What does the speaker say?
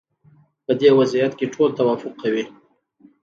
په دې وضعیت کې ټول توافق کوي.